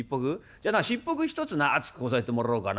じゃあなしっぽく一つな熱くこさえてもらおうかな。